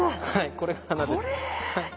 これが花です。